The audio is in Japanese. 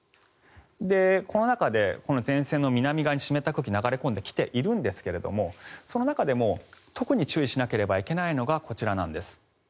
この中で前線の南側に湿った空気が流れ込んできているんですがその中でも特に注意しなければいけないのがこちらなんです。